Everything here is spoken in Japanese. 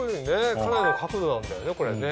かなりの角度なんだよねこれね。